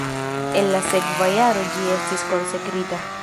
En la sekva jaro ĝi estis konsekrita.